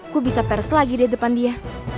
gua bisa pers lagi deh depan dia